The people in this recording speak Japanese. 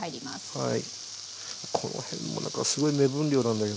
はい。